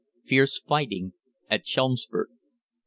FIERCE FIGHTING AT CHELMSFORD.